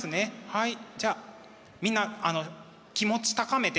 はいじゃあみんな気持ち高めて。